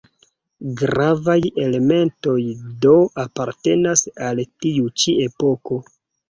Gravaj elementoj do apartenas al tiu ĉi epoko.